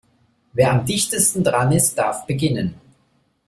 Wer am dichtesten dran ist, darf beginnen.